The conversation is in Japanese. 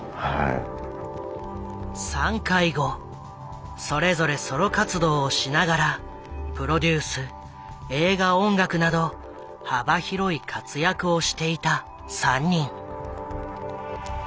散開後それぞれソロ活動をしながらプロデュース映画音楽など幅広い活躍をしていた３人。